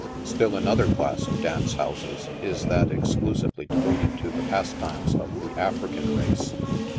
Still another class of dance houses is that exclusively devoted to the pastimes of the African race.